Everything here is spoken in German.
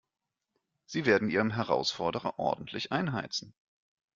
Sie werden ihrem Herausforderer ordentlich einheizen.